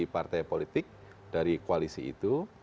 partai politik dari koalisi itu